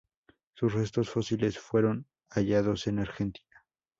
Sus restos fósiles fueron hallados en Argentina.